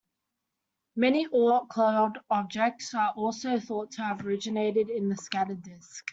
Many Oort cloud objects are also thought to have originated in the scattered disc.